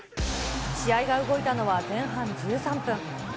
試合が動いたのは前半１３分。